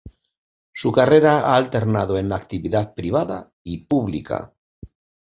Su carrera ha alternado en la actividad privada y pública.